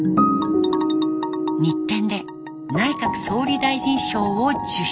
日展で内閣総理大臣賞を受賞。